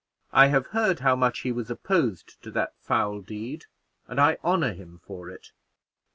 I have heard how much he was opposed to that foul deed, and I honor him for it."